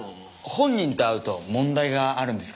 本人と会うと問題があるんですかね？